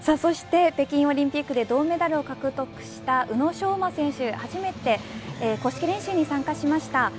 北京オリンピックで銅メダルを獲得した宇野昌磨選手が初めて公式練習に参加しました。